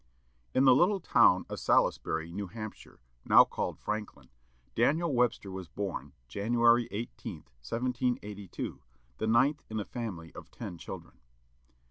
In the little town of Salisbury, New Hampshire, now called Franklin, Daniel Webster was born, January 18, 1782, the ninth in a family of ten children.